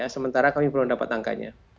sementara kami belum dapat angkanya